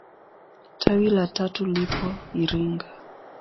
Tawi la tatu lipo Iringa.